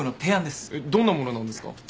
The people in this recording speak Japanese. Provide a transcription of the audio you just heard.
えっどんな物なんですか？